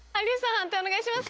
判定お願いします。